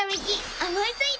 おもいついた！